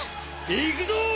いくぞ！